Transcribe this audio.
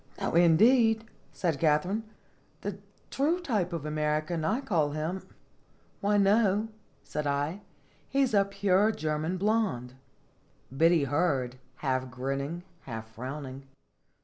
"No, indeed," said Katharine; "the true type of an American I call him." "Why no," said I; "he is a pure German blonde." Biddy heard, half grinning, half frowning.